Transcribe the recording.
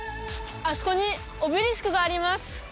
あそこにオベリスクがあります